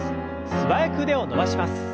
素早く腕を伸ばします。